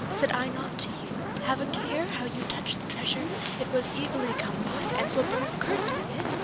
Said I not to you, Have a care how you touch the treasure, it was evilly come by and will bring a curse with it?